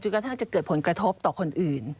กระทั่งจะเกิดผลกระทบต่อคนอื่น